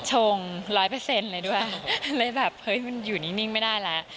ชงร้อยเปอร์เซ็นต์เลยด้วยเลยแบบเฮ้ยมันอยู่นิ่งไม่ได้แล้ว